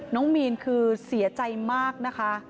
น้องมีนคือเสียใจมากนะคะ